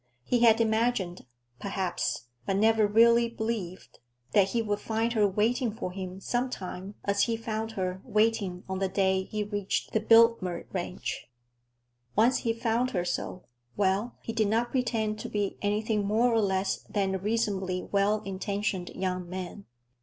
He had imagined, perhaps, but never really believed, that he would find her waiting for him sometime as he found her waiting on the day he reached the Biltmer ranch. Once he found her so—well, he did not pretend to be anything more or less than a reasonably well intentioned young man.